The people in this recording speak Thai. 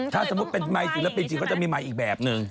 ถ้าสมมุติเป็นไมค์ศิลปินจริงก็จะมีไมค์อีกแบบนึง